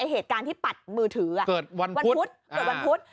เหตุการณ์ที่ปัดมือถือวันพุธเกิดวันพุธ